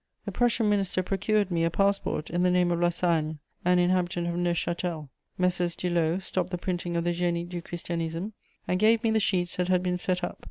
The Prussian Minister procured me a passport in the name of La Sagne, an inhabitant of Neuchâtel. Messrs. Dulau stopped the printing of the Génie du Christianisme, and gave me the sheets that had been set up.